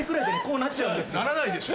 ならないでしょ！